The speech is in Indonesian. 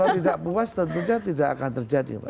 kalau tidak puas tentunya tidak akan terjadi